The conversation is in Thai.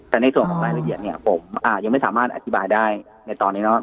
แต่ในส่วนของรายละเอียดเนี่ยผมยังไม่สามารถอธิบายได้ในตอนนี้นะ